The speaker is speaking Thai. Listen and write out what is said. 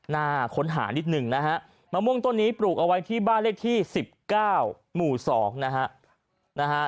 น่าค้นหานิดหนึ่งนะฮะมะม่วงต้นนี้ปลูกเอาไว้ที่บ้านเลขที่๑๙หมู่๒นะฮะ